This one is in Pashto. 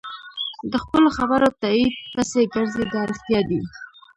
د خپلو خبرو تایید پسې ګرځي دا رښتیا دي.